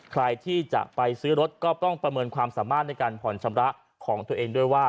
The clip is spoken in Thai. ใครที่จะไปซื้อรถก็ต้องประเมินความสามารถในการผ่อนชำระของตัวเองด้วยว่า